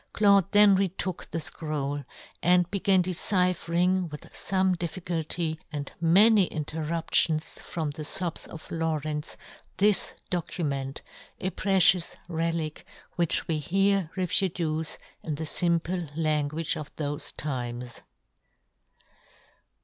Claude then retook the fcroU, and began deciphering with fome diffi culty, and many interruptions from the fobs of Lawrence, this document, a precious relic, which we here re pro duce in the fimple language of thofe times.